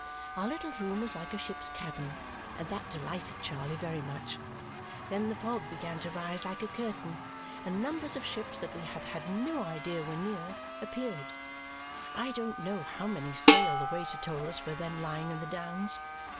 Our little room was like a ship's cabin, and that delighted Charley very much. Then the fog began to rise like a curtain, and numbers of ships that we had had no idea were near appeared. I don't know how many sail the waiter told us were then lying in the downs.